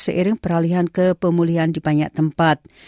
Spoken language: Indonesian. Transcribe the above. seiring peralihan kepemulihan di banyak tempat